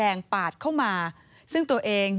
นี่เป็นคลิปวีดีโอจากคุณบอดี้บอยสว่างอร่อย